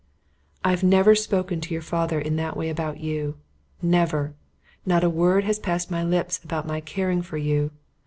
"I've never spoken to your father in that way about you. Never. Not a word has passed my lips about my caring for you.